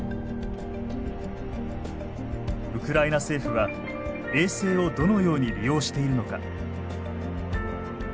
ウクライナ政府は衛星をどのように利用しているのか？